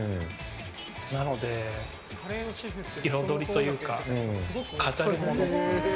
なので、彩りというか飾り物。